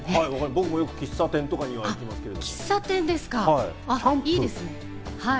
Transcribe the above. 僕もよく喫茶店とかには行ってますけど。